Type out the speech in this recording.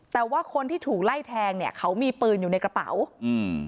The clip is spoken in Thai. แต่ว่าคนที่ถูกไล่แทงเนี้ยเขามีปืนอยู่ในกระเป๋าอืม